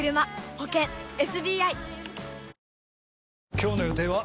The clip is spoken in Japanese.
今日の予定は？